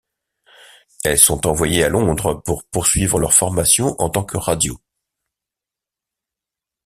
Elles sont envoyées à Londres pour poursuivre leur formation en tant que radio.